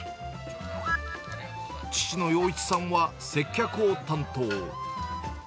父の洋一さんは、接客を担当。